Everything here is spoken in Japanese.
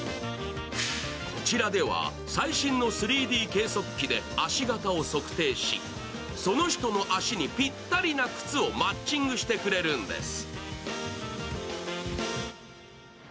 こちらでは最新の３Ｄ計測器で足型を測定し、その人の足にピッタリな靴をマッチングしてくれるんです。